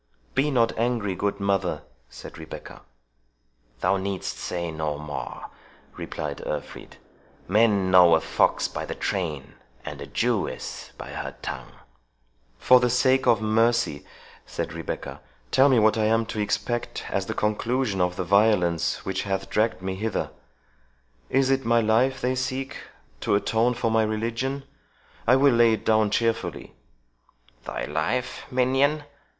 "Be not angry, good mother," said Rebecca. "Thou needst say no more," replied Urfried "men know a fox by the train, and a Jewess by her tongue." "For the sake of mercy," said Rebecca, "tell me what I am to expect as the conclusion of the violence which hath dragged me hither! Is it my life they seek, to atone for my religion? I will lay it down cheerfully." "Thy life, minion?"